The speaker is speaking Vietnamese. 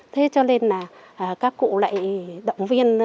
thế cho nên là các cụ lại động viên